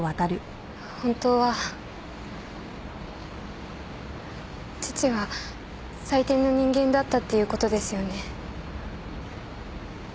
本当は父は最低な人間だったっていう事ですよね？